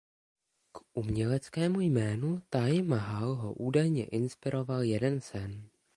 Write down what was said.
K uměleckému jménu Taj Mahal ho údajně inspiroval jeden sen.